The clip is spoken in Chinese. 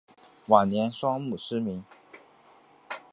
晚年双目失明。